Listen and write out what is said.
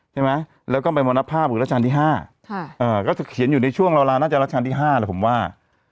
ใช่ไหมแล้วก็ไปมณภาพรัชญาณที่๕ก็เขียนอยู่ในช่วงราวราวน่าจะรัชญาณที่๕แหละผมว่า